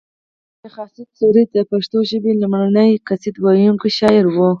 شیخ اسعد سوري د پښتو ژبې لومړنۍ قصیده ویونکی شاعر و